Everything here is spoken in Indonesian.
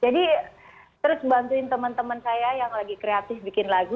jadi terus bantuin temen temen saya yang lagi kreatif bikin lagu